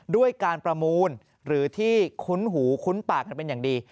ด้วยการประมูลหรือที่คุ้นหูคุ้นปากกันเป็นอย่างดี